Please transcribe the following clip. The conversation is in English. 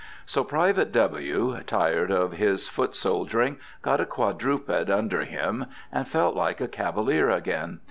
So Private W., tired of his foot soldiering, got a quadruped under him, and felt like a cavalier again.